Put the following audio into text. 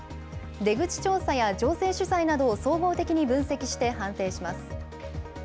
出口調査や情勢取材などを総合的に分析して判定します。